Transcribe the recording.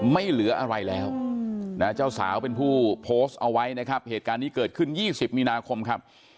ไม่เหลืออะไรแล้วนะเจ้าสาวเป็นผู้โพสต์เอาไว้นะครับเหตุการณ์นี้เกิดขึ้น๒๐มีนาคมครับ